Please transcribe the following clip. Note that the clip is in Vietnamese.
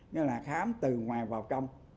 nên là khám từ ngoài vào trong